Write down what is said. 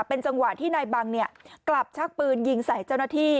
เป็นจังหวะที่นายบังกลับชักปืนยิงใส่เจ้าหน้าที่